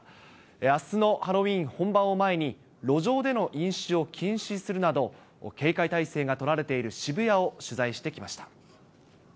あすのハロウィーン本番を前に、路上での飲酒を禁止するなど、警戒体制が取られている渋谷を取材してきました。